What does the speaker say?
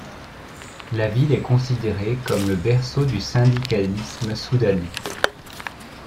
La ville est considérée comme le berceau du syndicalisme soudanais.